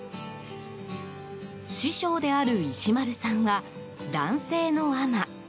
師匠である石丸さんは男性の海士。